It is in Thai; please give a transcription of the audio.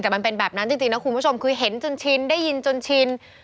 แต่มันเป็นแบบนั้นจริงนะคุณผู้ชมคือเห็นจนชินได้ยินจนชิน